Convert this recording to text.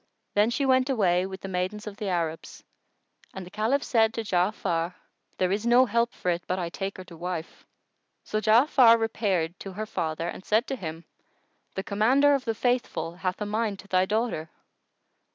Then she went away with the maidens of the Arabs, and the Caliph said to Ja'afar, "There is no help for it but I take her to wife." So Ja'afar repaired to her father and said to him, "The Commander of the Faithful hath a mind to thy daughter."